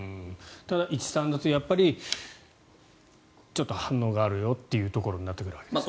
ただ１、３だとちょっと反応があるよというところになってくるわけですね。